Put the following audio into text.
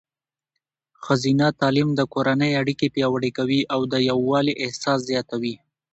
ښځینه تعلیم د کورنۍ اړیکې پیاوړې کوي او د یووالي احساس زیاتوي.